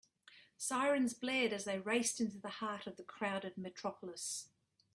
Sirens blared as they raced into the heart of the crowded metropolis.